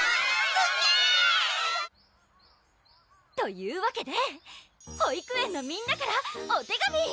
すげぇ！というわけで保育園のみんなからお手紙！